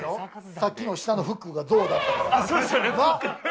さっきの下のフックがゾウだったから。